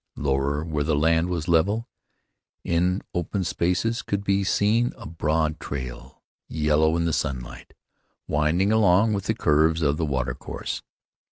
Lower, where the land was level, in open spaces could be seen a broad trail, yellow in the sunlight, winding along with the curves of the water course.